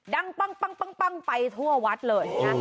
ดังปั้งไปทั่ววัดเลยนะ